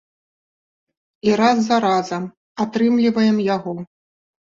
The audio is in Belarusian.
І раз за разам атрымліваем яго.